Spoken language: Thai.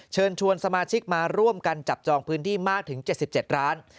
เชิญชวนสมาชิกมาร่วมกันจับจองพื้นที่มากถึง๗๗ร้าน